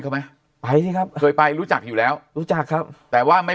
เขาไหมไปสิครับเคยไปรู้จักอยู่แล้วรู้จักครับแต่ว่าไม่